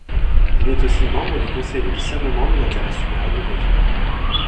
Il est aussi membre du Conseil de discernement de l'intérêt supérieur du régime.